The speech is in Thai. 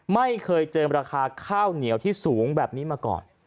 ไม่เคยเจอราคาข้าวเหนียวที่สูงแบบนี้มาก่อน